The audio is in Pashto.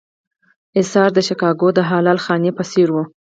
اېثار د شیکاګو د حلال خانې په څېر و.